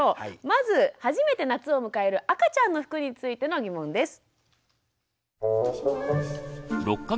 まず初めて夏を迎える赤ちゃんの服についての疑問です。